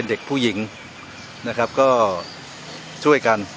เด็กผู้หญิงนะครับก็ช่วยกัน